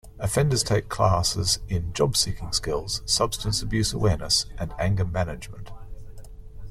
Offenders take classes in job-seeking skills, substance-abuse awareness and anger management.